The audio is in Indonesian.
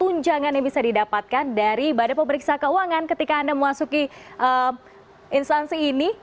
tunjangan yang bisa didapatkan dari badan pemeriksa keuangan ketika anda memasuki instansi ini